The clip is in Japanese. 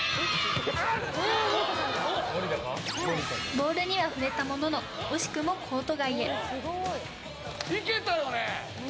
ボールには触れたものの惜しくもコート外へ。